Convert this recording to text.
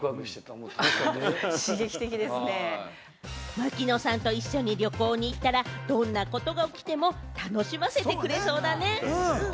槙野さんと一緒に旅行に行ったらどんなことが起きても楽しませてくれそうだね。